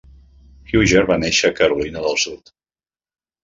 Huger va néixer a Carolina del Sud.